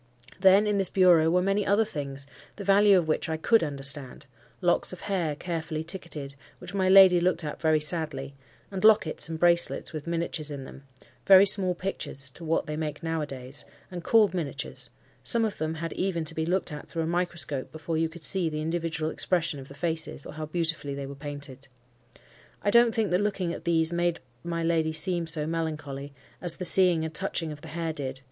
Then, in this bureau, were many other things, the value of which I could understand—locks of hair carefully ticketed, which my lady looked at very sadly; and lockets and bracelets with miniatures in them,—very small pictures to what they make now a days, and called miniatures: some of them had even to be looked at through a microscope before you could see the individual expression of the faces, or how beautifully they were painted. I don't think that looking at these made may lady seem so melancholy, as the seeing and touching of the hair did.